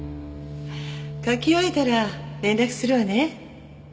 書き終えたら連絡するわね。